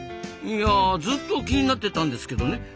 いやずっと気になってたんですけどね